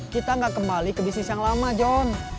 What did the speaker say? kita gak kembali ke bisnis yang lama john